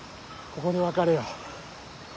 ここで別れよう。